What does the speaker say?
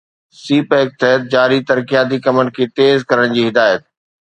سي pack تحت جاري ترقياتي ڪمن کي تيز ڪرڻ جي هدايت